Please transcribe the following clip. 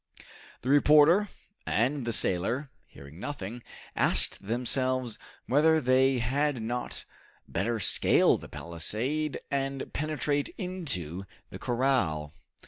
The reporter and the sailor hearing nothing, asked themselves whether they had not better scale the palisades and penetrate into the corral.